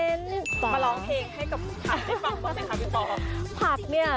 มาร้องเพลงให้กับผักให้ฟังบ้างสิคะพี่ป่อ